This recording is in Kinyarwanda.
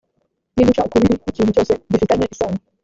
niduca ukubiri n ikintu cyose gifitanye isano